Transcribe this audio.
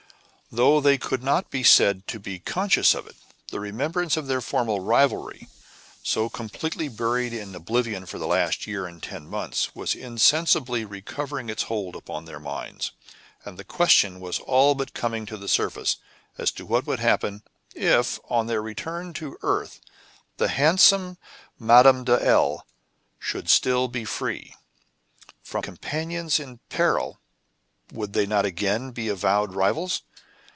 Though they could not be said to be conscious of it, the remembrance of their former rivalry, so completely buried in oblivion for the last year and ten months, was insensibly recovering its hold upon their minds, and the question was all but coming to the surface as to what would happen if, on their return to earth, the handsome Madame de L should still be free. From companions in peril, would they not again be avowed rivals?